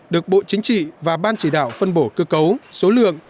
được bộ chính trị và ban chỉ đạo phân bổ cơ cấu số lượng